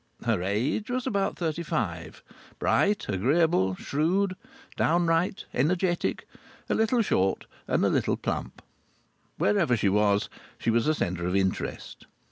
Her age was about thirty five; bright, agreeable, shrewd, downright, energetic; a little short and a little plump. Wherever she was, she was a centre of interest!